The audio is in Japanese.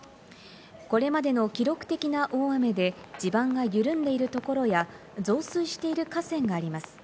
これまでの記録的な大雨で地盤が緩んでいるところや増水している河川があります。